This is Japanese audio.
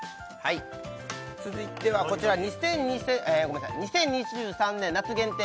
続いてはこちら２０２３年夏限定